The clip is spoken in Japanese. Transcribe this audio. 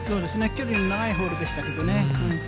距離の長いホールでしたけどね。